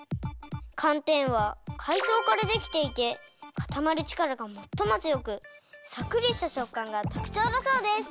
かんてんはかいそうからできていてかたまるちからがもっともつよくさっくりしたしょっかんがとくちょうだそうです！